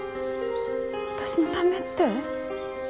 私のためって？